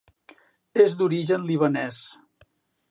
És d'origen libanès.